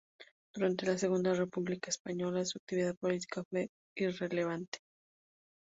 Durante la Segunda República Española su actividad política fue irrelevante.